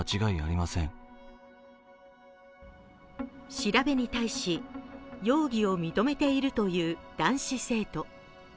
調べに対し、容疑を認めているという男子生徒。